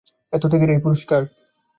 এত ত্যাগের এই পুরষ্কার!